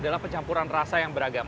adalah pencampuran rasa yang beragam